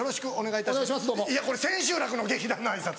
いやこれ千秋楽の劇団の挨拶。